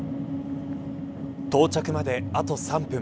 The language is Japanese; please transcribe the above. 到着まであと３分。